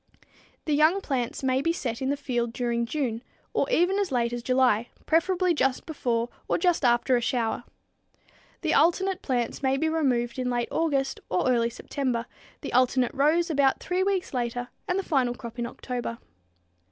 The young plants may be set in the field during June, or even as late as July, preferably just before or just after a shower. The alternate plants may be removed in late August or early September, the alternate rows about three weeks later and the final crop in October.